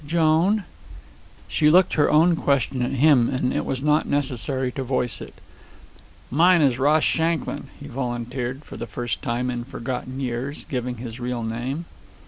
"Joan." She looked her own question at him, and it was not necessary to voice it. "Mine is Ross Shanklin," he volunteered, for the first time in forgotten years giving his real name.